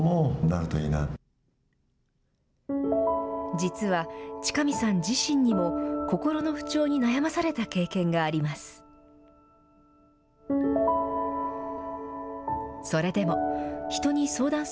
実は、千頭さん自身にも、心の不調に悩まされた経験があります。